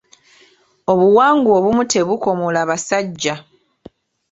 Obuwangwa obumu tebukomola basajja.